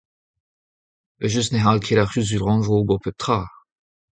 Evel-just ne cʼhall ket ar Cʼhuzul-rannvro ober pep tra !